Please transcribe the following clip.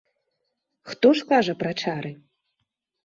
Хто ж кажа пра чары.